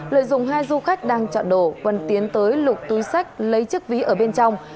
lợi dụng hai du khách đang chọn đồ quân tiến tới lục túi sách lấy chiếc ví ở bên trong